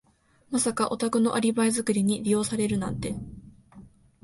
まさかお宅のアリバイ作りに利用されるなんて。